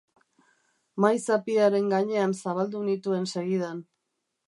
Mahai-zapiaren gainean zabaldu nituen segidan.